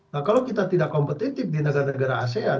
nah kalau kita tidak kompetitif di negara negara asean